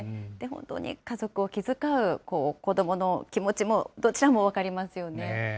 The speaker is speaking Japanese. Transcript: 本当に家族を気遣う子どもの気持ちも、どちらも分かりますよね。